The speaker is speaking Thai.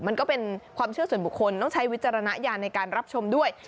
มันก็เป็นความเชื่อส่วนบุคคลต้องใช้วิจารณญาณในการรับชมด้วย